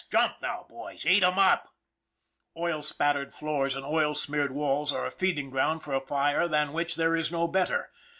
Jump now, boys ! Eat 'em up !" Oil spattered floors and oil smeared walls are a feed ing ground for a fire than which there is no better.